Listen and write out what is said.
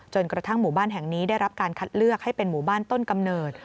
กระทั่งหมู่บ้านแห่งนี้ได้รับการคัดเลือกให้เป็นหมู่บ้านต้นกำเนิด